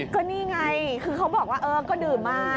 ก็นี่ไงคือเขาบอกว่าเออก็ดื่มมา